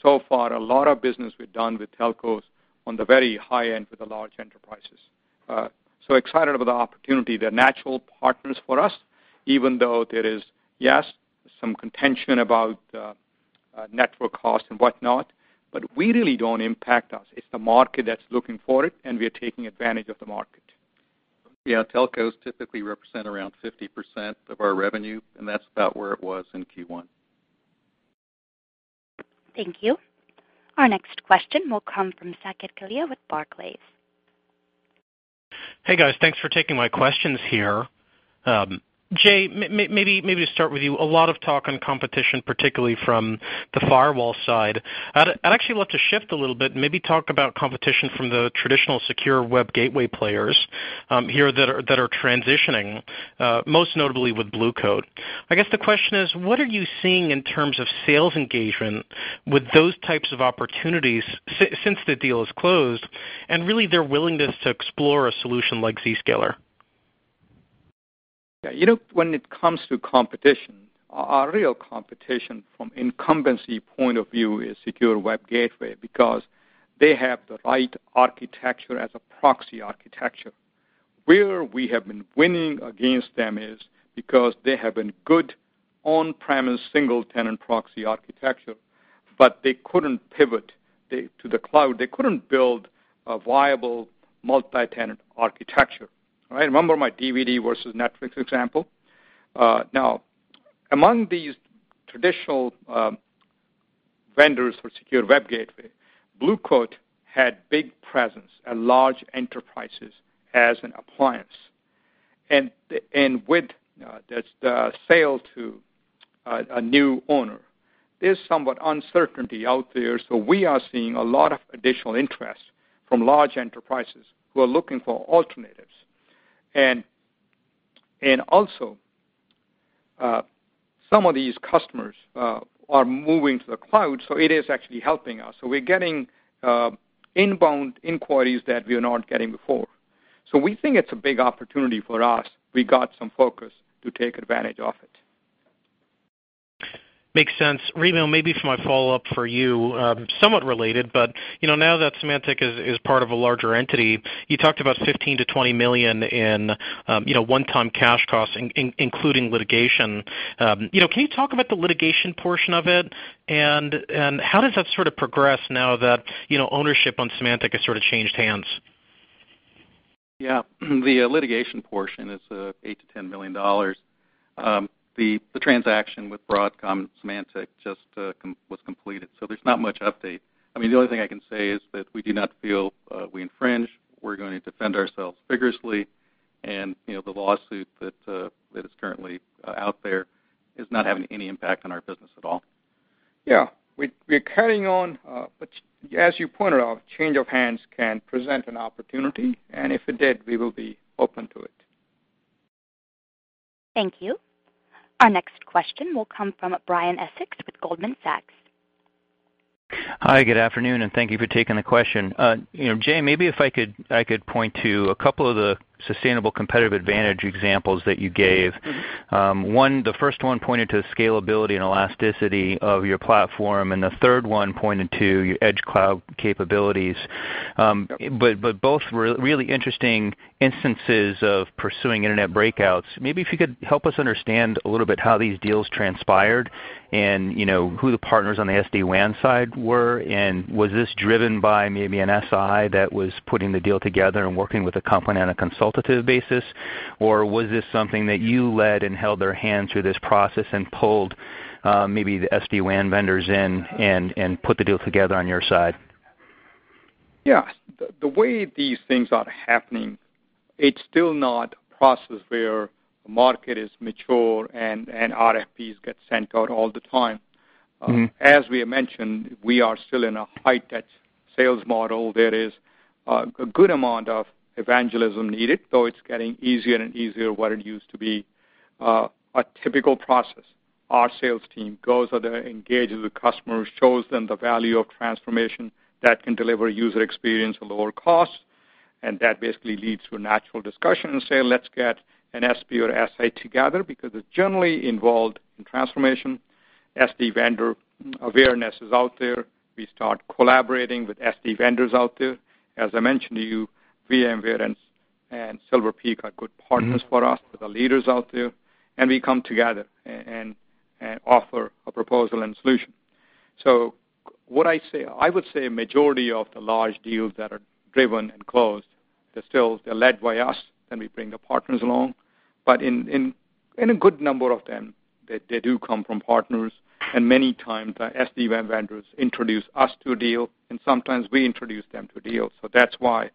So far, a lot of business we've done with telcos on the very high end with the large enterprises. We are so excited about the opportunity. They're natural partners for us, even though there is, yes, some contention about network cost and whatnot, we really don't impact us. It's the market that's looking for it, we are taking advantage of the market. Yeah, telcos typically represent around 50% of our revenue, and that's about where it was in Q1. Thank you. Our next question will come from Saket Kalia with Barclays. Hey, guys. Thanks for taking my questions here. Jay, maybe to start with you. A lot of talk on competition, particularly from the firewall side. I'd actually love to shift a little bit and maybe talk about competition from the traditional secure web gateway players here that are transitioning, most notably with Blue Coat. I guess the question is: what are you seeing in terms of sales engagement with those types of opportunities since the deal is closed, and really their willingness to explore a solution like Zscaler? Yeah. When it comes to competition, our real competition from incumbency point of view is secure web gateway because they have the right architecture as a proxy architecture. Where we have been winning against them is because they have been good on-premise, single-tenant proxy architecture, but they couldn't pivot to the cloud. They couldn't build a viable multi-tenant architecture. All right? Remember my DVD versus Netflix example? Among these traditional vendors for secure web gateway, Blue Coat had big presence at large enterprises as an appliance. With the sale to a new owner, there's somewhat uncertainty out there. We are seeing a lot of additional interest from large enterprises who are looking for alternatives. Also, some of these customers are moving to the cloud, it is actually helping us. We're getting inbound inquiries that we were not getting before. We think it's a big opportunity for us. We got some focus to take advantage of it. Makes sense. Remo, maybe for my follow-up for you, somewhat related, but now that Symantec is part of a larger entity, you talked about $15 million-$20 million in one-time cash costs, including litigation. Can you talk about the litigation portion of it? How does that sort of progress now that ownership on Symantec has sort of changed hands? Yeah. The litigation portion is $8 million-$10 million. The transaction with Broadcom Symantec just was completed, so there's not much update. The only thing I can say is that we do not feel we infringed. We're going to defend ourselves vigorously and the lawsuit that is currently out there is not having any impact on our business at all. Yeah. We're carrying on. As you pointed out, change of hands can present an opportunity, and if it did, we will be open to it. Thank you. Our next question will come from Brian Essex with Goldman Sachs. Hi, good afternoon, and thank you for taking the question. Jay, maybe if I could point to a couple of the sustainable competitive advantage examples that you gave. The first one pointed to the scalability and elasticity of your platform, and the third one pointed to your edge cloud capabilities. Both were really interesting instances of pursuing internet breakouts. Maybe if you could help us understand a little bit how these deals transpired and who the partners on the SD-WAN side were. Was this driven by maybe an SI that was putting the deal together and working with a company on a consultative basis, or was this something that you led and held their hand through this process and pulled maybe the SD-WAN vendors in and put the deal together on your side? Yeah. The way these things are happening, it's still not a process where the market is mature and RFPs get sent out all the time. As we mentioned, we are still in a high-touch sales model. There is a good amount of evangelism needed, though it's getting easier and easier, what it used to be. A typical process, our sales team goes out there, engages the customers, shows them the value of transformation that can deliver user experience at lower costs, that basically leads to a natural discussion and say, "Let's get an SP or SI together," because it's generally involved in transformation. SD-WAN vendor awareness is out there. We start collaborating with SD-WAN vendors out there. As I mentioned to you, VMware and Silver Peak are good partners for us. They're the leaders out there. We come together and offer a proposal and solution. I would say a majority of the large deals that are driven and closed are still led by us, then we bring the partners along. In a good number of them, they do come from partners, and many times the SD-WAN vendors introduce us to a deal, and sometimes we introduce them to a deal. That's why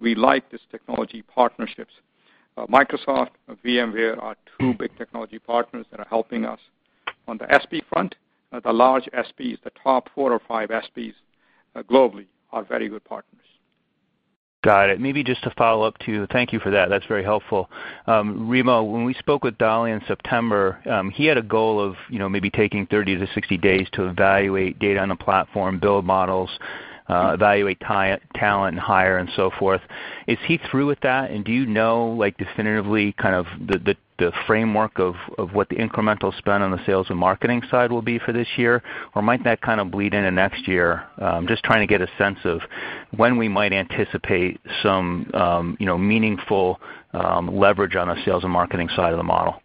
we like these technology partnerships. Microsoft and VMware are two big technology partners that are helping us. On the SP front, the large SPs, the top four or five SPs globally are very good partners. Got it. Thank you for that. That's very helpful. Remo, when we spoke with Dali in September, he had a goal of maybe taking 30-60 days to evaluate data on the platform, build models, evaluate talent, and hire and so forth. Is he through with that? Do you know definitively the framework of what the incremental spend on the sales and marketing side will be for this year? Or might that kind of bleed into next year? I'm just trying to get a sense of when we might anticipate some meaningful leverage on the sales and marketing side of the model.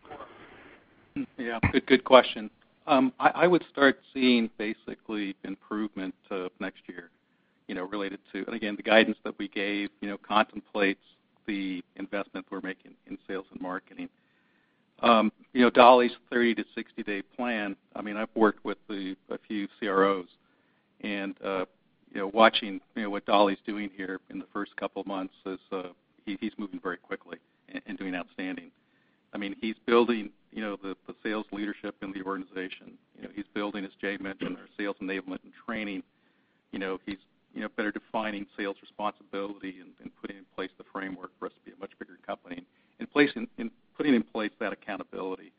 Yeah, good question. I would start seeing basically improvement next year, related to, again, the guidance that we gave contemplates the investment we're making in sales and marketing. Dali's 30- to 60-day plan, I've worked with a few CROs, and watching what Dali's doing here in the first couple of months is, he's moving very quickly and doing outstanding. He's building the sales leadership in the organization. He's building, as Jay mentioned, our sales enablement and training. He's better defining sales responsibility and putting in place the framework for us to be a much bigger company and putting in place that accountability.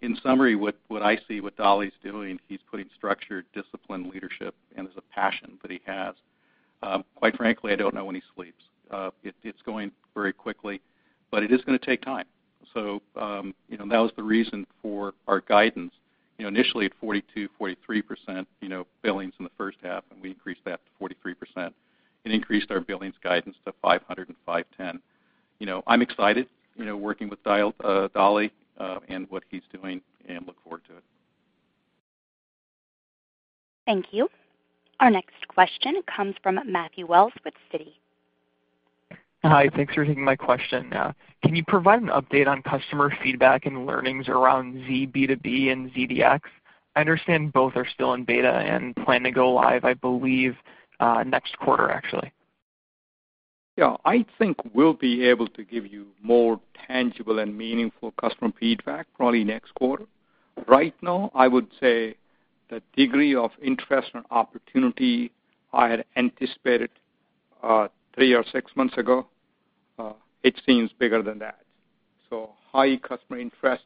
In summary, what I see what Dali's doing, he's putting structure, discipline, leadership, and there's a passion that he has. Quite frankly, I don't know when he sleeps. It's going very quickly, but it is going to take time. That was the reason for our guidance. Initially at 42%, 43% billings in the first half, and we increased that to 43% and increased our billings guidance to $500 million and $510 million. I'm excited working with Dali and what he's doing and look forward to it. Thank you. Our next question comes from Matthew Wells with Citi. Hi. Thanks for taking my question. Can you provide an update on customer feedback and learnings around Z B2B and ZDX? I understand both are still in beta and plan to go live, I believe, next quarter, actually. Yeah, I think we'll be able to give you more tangible and meaningful customer feedback probably next quarter. Right now, I would say the degree of interest and opportunity I had anticipated three or six months ago, it seems bigger than that. High customer interest,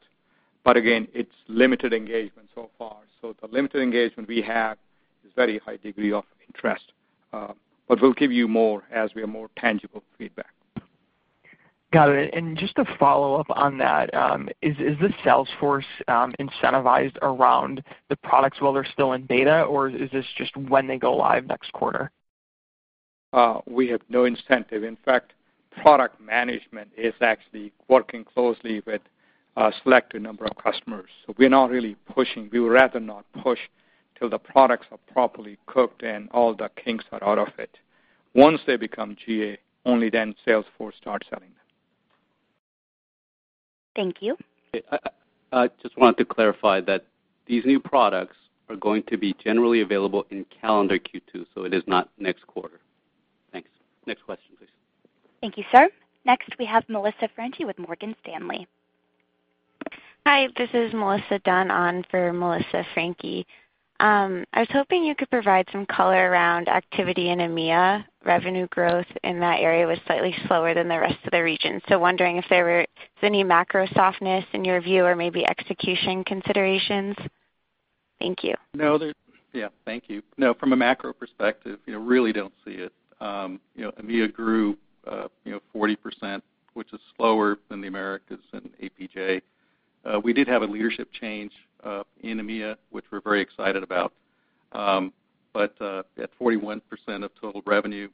but again, it's limited engagement so far. The limited engagement we have is very high degree of interest. We'll give you more as we have more tangible feedback. Got it. Just to follow up on that, is the sales force incentivized around the products while they're still in beta, or is this just when they go live next quarter? We have no incentive. In fact, product management is actually working closely with a selected number of customers. We're not really pushing. We would rather not push till the products are properly cooked and all the kinks are out of it. Once they become GA, only then sales force starts selling them. Thank you. I just wanted to clarify that these new products are going to be generally available in calendar Q2. It is not next quarter. Thanks. Next question, please. Thank you, sir. Next, we have Melissa Franchi with Morgan Stanley. Hi, this is Melissa Dunn on for Melissa Franchi. I was hoping you could provide some color around activity in EMEA. Revenue growth in that area was slightly slower than the rest of the region, so wondering if there were any macro softness in your view or maybe execution considerations. Thank you. Yeah. Thank you. No, from a macro perspective, really don't see it. EMEA grew 40%, which is slower than the Americas and APJ. We did have a leadership change in EMEA, which we're very excited about. At 41% of total revenue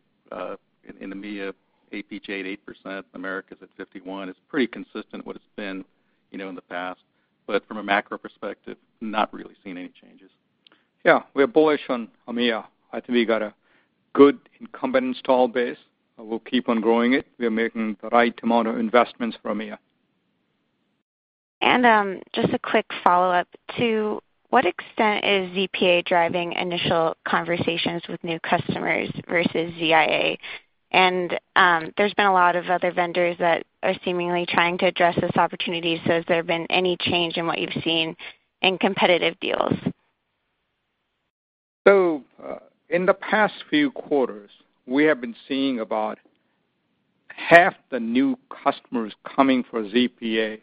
in EMEA, APJ at 8%, Americas at 51%, it's pretty consistent what it's been in the past. From a macro perspective, not really seeing any changes. Yeah, we're bullish on EMEA. I think we got a good incumbent install base, and we'll keep on growing it. We are making the right amount of investments for EMEA. Just a quick follow-up. To what extent is ZPA driving initial conversations with new customers versus ZIA? There's been a lot of other vendors that are seemingly trying to address this opportunity. Has there been any change in what you've seen in competitive deals? In the past few quarters, we have been seeing about half the new customers coming for ZPA.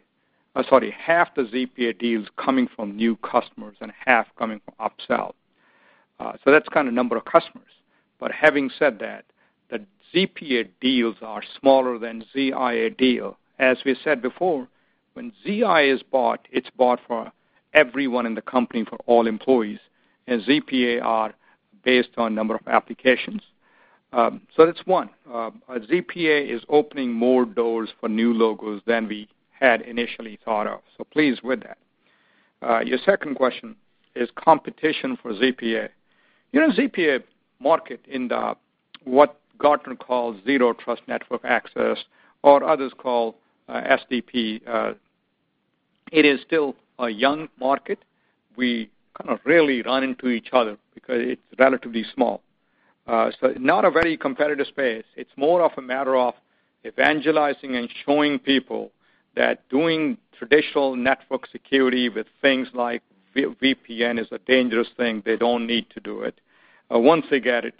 Sorry, half the ZPA deals coming from new customers and half coming from upsell. That's kind of number of customers. Having said that, the ZPA deals are smaller than ZIA deal. As we said before, when ZIA is bought, it's bought for everyone in the company, for all employees, and ZPA are based on number of applications. That's one. ZPA is opening more doors for new logos than we had initially thought of, so pleased with that. Your second question is competition for ZPA. ZPA market in the, what Gartner calls Zero Trust Network Access or others call SDP, it is still a young market. We kind of really run into each other because it's relatively small. Not a very competitive space. It's more of a matter of evangelizing and showing people that doing traditional network security with things like VPN is a dangerous thing. They don't need to do it. Once they get it,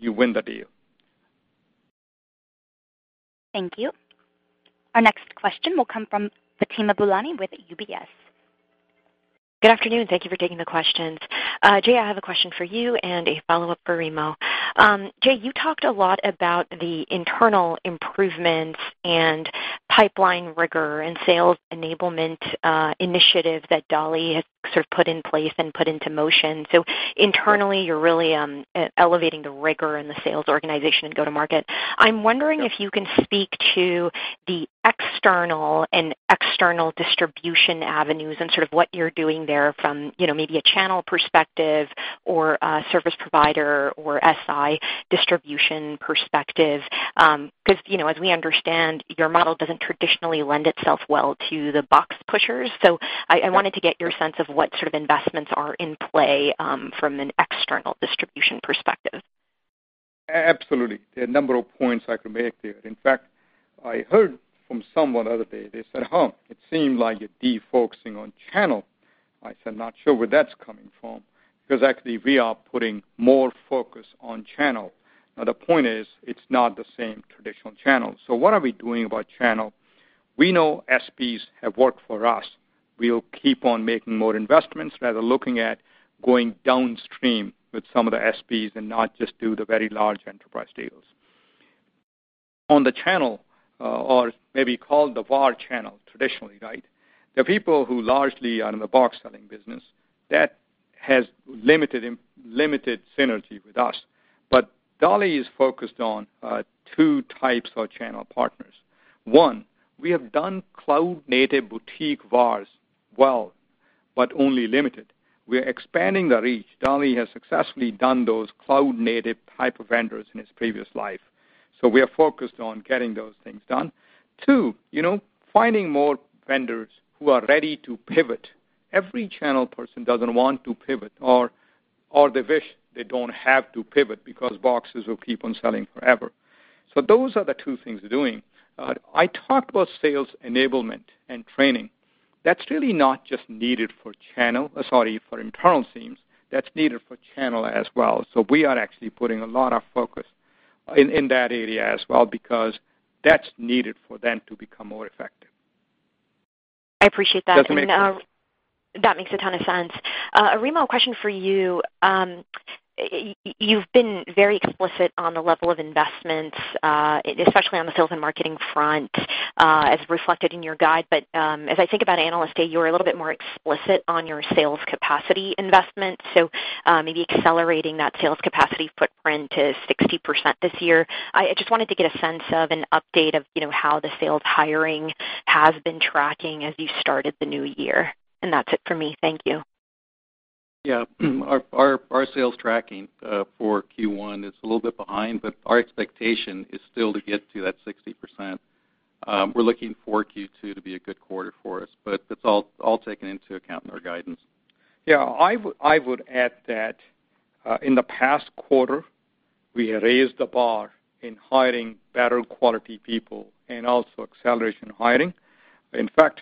you win the deal. Thank you. Our next question will come from Fatima Boolani with UBS. Good afternoon. Thank you for taking the questions. Jay, I have a question for you and a follow-up for Remo. Jay, you talked a lot about the internal improvements and pipeline rigor and sales enablement initiative that Dali has sort of put in place and put into motion. Internally, you're really elevating the rigor in the sales organization and go to market. I'm wondering if you can speak to the external distribution avenues and sort of what you're doing there from maybe a channel perspective or a service provider or SI distribution perspective. As we understand, your model doesn't traditionally lend itself well to the box pushers. I wanted to get your sense of what sort of investments are in play from an external distribution perspective. Absolutely. There are a number of points I could make there. In fact, I heard from someone the other day, they said, "Huh, it seemed like you're de-focusing on channel." I said, "Not sure where that's coming from," because actually we are putting more focus on channel. The point is, it's not the same traditional channel. What are we doing about channel? We know SPs have worked for us. We'll keep on making more investments, rather looking at going downstream with some of the SPs and not just do the very large enterprise deals. On the channel, or maybe called the VAR channel traditionally, right? The people who largely are in the box selling business, that has limited synergy with us. Dali is focused on two types of channel partners. One, we have done cloud-native boutique VARs well, but only limited. We are expanding the reach. Dali has successfully done those cloud-native type of vendors in his previous life. We are focused on getting those things done. Two, finding more vendors who are ready to pivot. Every channel person doesn't want to pivot, or they wish they don't have to pivot because boxes will keep on selling forever. Those are the two things we're doing. I talked about sales enablement and training. That's really not just needed for channel, sorry, for internal teams. That's needed for channel as well. We are actually putting a lot of focus in that area as well because that's needed for them to become more effective. I appreciate that. Does that make sense? That makes a ton of sense. Remo, a question for you. You've been very explicit on the level of investments, especially on the sales and marketing front, as reflected in your guide. As I think about Analyst Day, you were a little bit more explicit on your sales capacity investment, so maybe accelerating that sales capacity footprint to 60% this year. I just wanted to get a sense of an update of how the sales hiring has been tracking as you started the new year. That's it for me. Thank you. Yeah. Our sales tracking for Q1 is a little bit behind, but our expectation is still to get to that 60%. We're looking for Q2 to be a good quarter for us, but that's all taken into account in our guidance. Yeah, I would add that in the past quarter, we raised the bar in hiring better quality people and also acceleration hiring. In fact,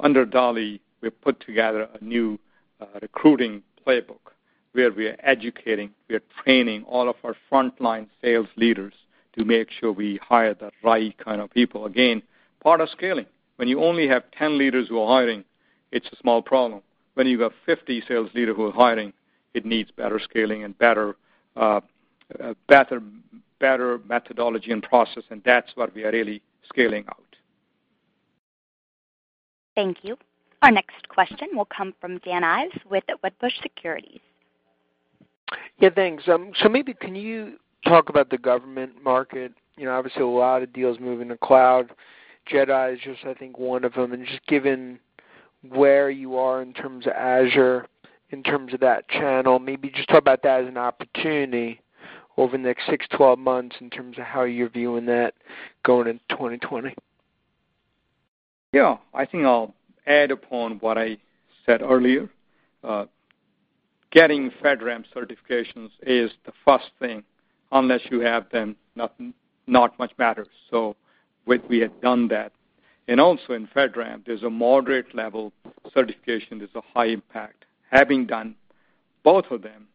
under Dali, we put together a new recruiting playbook where we are educating, we are training all of our frontline sales leaders to make sure we hire the right kind of people. Again, part of scaling. When you only have 10 leaders who are hiring, it's a small problem. When you got 50 sales leaders who are hiring, it needs better scaling and better methodology and process, and that's what we are really scaling out. Thank you. Our next question will come from Dan Ives with Wedbush Securities. Yeah, thanks. Maybe can you talk about the government market? Obviously a lot of deals moving to cloud. JEDI is just, I think, one of them. Just given where you are in terms of Azure, in terms of that channel, maybe just talk about that as an opportunity over the next six, 12 months in terms of how you're viewing that going into 2020. Yeah. I think I'll add upon what I said earlier. Getting FedRAMP certifications is the first thing. Unless you have them, not much matters. We had done that. Also in FedRAMP, there's a moderate level certification. There's a high impact. Having done both of them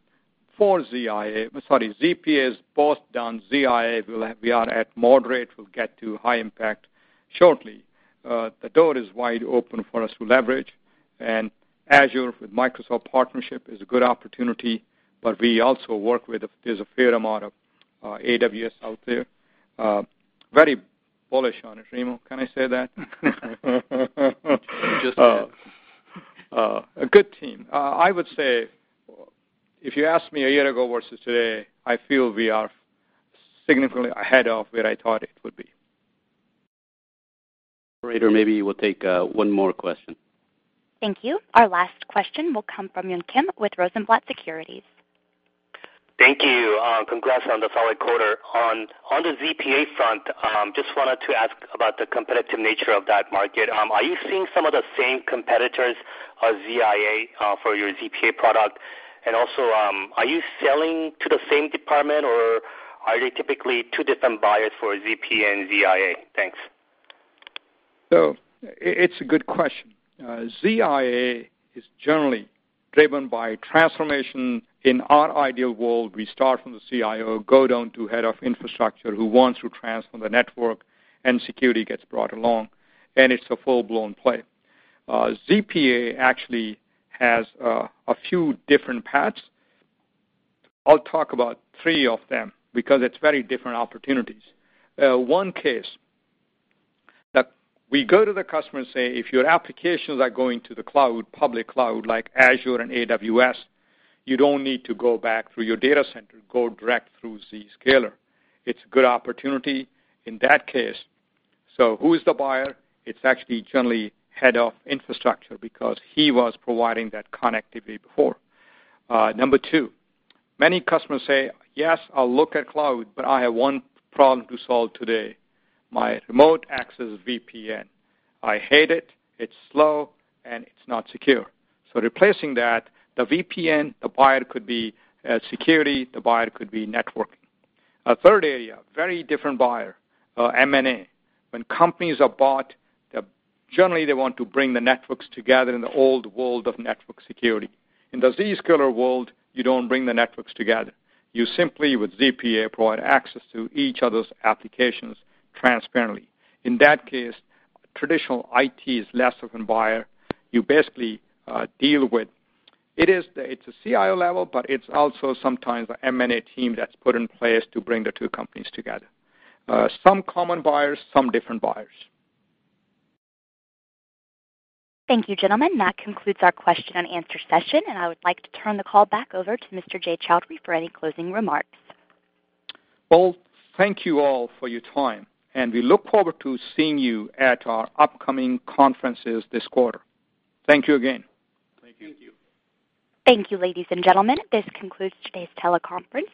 for ZIA, sorry, ZPA, both done, ZIA, we are at moderate, we'll get to high impact shortly. The door is wide open for us to leverage, and Azure with Microsoft partnership is a good opportunity, but we also work with, there's a fair amount of AWS out there. Very bullish on it, Remo, can I say that? You just did. A good team. I would say, if you asked me a year ago versus today, I feel we are significantly ahead of where I thought it would be. Operator, maybe we'll take one more question. Thank you. Our last question will come from Yun Kim with Rosenblatt Securities. Thank you. Congrats on the solid quarter. On the ZPA front, just wanted to ask about the competitive nature of that market. Are you seeing some of the same competitors of ZIA for your ZPA product? Also, are you selling to the same department or are they typically two different buyers for ZPA and ZIA? Thanks. It's a good question. ZIA is generally driven by transformation. In our ideal world, we start from the CIO, go down to head of infrastructure, who wants to transform the network, and security gets brought along, and it's a full-blown play. ZPA actually has a few different paths. I'll talk about three of them because it's very different opportunities. One case, that we go to the customer and say, "If your applications are going to the cloud, public cloud, like Azure and AWS, you don't need to go back through your data center. Go direct through Zscaler." It's a good opportunity in that case. Who is the buyer? It's actually generally head of infrastructure because he was providing that connectivity before. Number two, many customers say, "Yes, I'll look at cloud, but I have one problem to solve today, my remote access VPN. I hate it's slow, and it's not secure." Replacing that, the VPN, the buyer could be security, the buyer could be networking. A third area, very different buyer, M&A. When companies are bought, generally they want to bring the networks together in the old world of network security. In the Zscaler world, you don't bring the networks together. You simply, with ZPA, provide access to each other's applications transparently. In that case, traditional IT is less of a buyer. You basically deal with, it's a CIO level, but it's also sometimes an M&A team that's put in place to bring the two companies together. Some common buyers, some different buyers. Thank you, gentlemen. That concludes our question and answer session. I would like to turn the call back over to Mr. Jay Chaudhry for any closing remarks. Thank you all for your time, and we look forward to seeing you at our upcoming conferences this quarter. Thank you again. Thank you. Thank you. Thank you, ladies and gentlemen. This concludes today's teleconference.